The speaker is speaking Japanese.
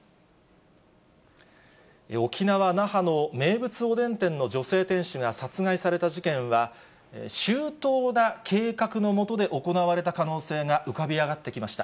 沖縄・那覇の名物おでん店の店主が殺害された事件は、周到な計画のもとで行われた可能性が浮かび上がってきました。